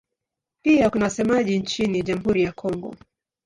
Pia kuna wasemaji nchini Jamhuri ya Kongo.